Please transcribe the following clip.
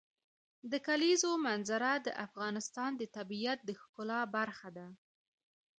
د کلیزو منظره د افغانستان د طبیعت د ښکلا برخه ده.